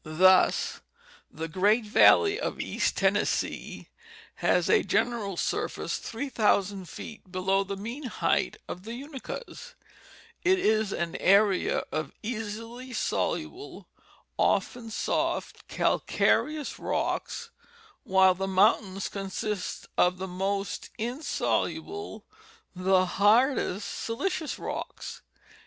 Thus the great valley of East Tennessee has a general surface 3000 feet below the mean height of the Unakas : it is an area of easily soluble, often soft, calcareous rocks, while the mountains, consist of the most insoluble, the hardest, silicious rocks.